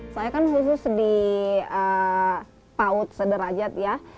saya kan khusus di paut sederajat ya